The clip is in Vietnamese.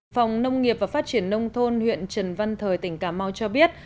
phòng nông nghiệp và phát triển nông thôn huyện trần văn thời tỉnh cà mau cho biết